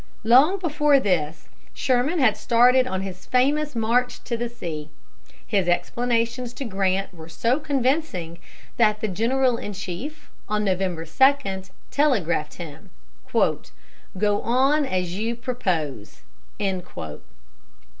Long before this, Sherman had started on his famous march to the sea. His explanations to Grant were so convincing, that the general in chief, on November 2, telegraphed him: "Go on as you propose."